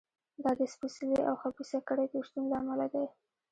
دا د سپېڅلې او خبیثه کړۍ د شتون له امله دی.